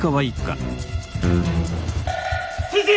先生！